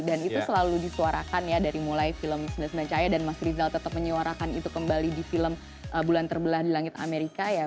dan itu selalu disuarakan ya dari mulai film sembilan puluh sembilan cahaya dan mas rizal tetap menyuarakan itu kembali di film bulan terbelah di langit amerika ya